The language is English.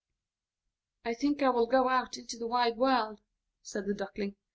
"I think I will go out into the wide world again," said the Duckling.